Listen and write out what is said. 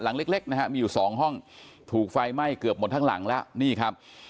หลังเล็กนะฮะมีอยู่สองห้องถูกไฟไหม้เกือบหมดทั้งหลังแล้วนี่ครับ